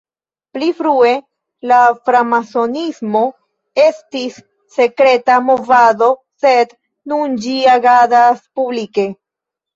Pli frue la framasonismo estis sekreta movado, sed nun ĝi agadas publike.